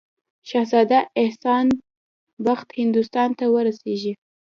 شهزاده احسان بخت هندوستان ته ورسیږي.